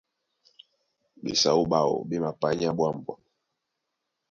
Ɓesáó ɓáō ɓé mapanyá ɓwǎm̀ɓwam.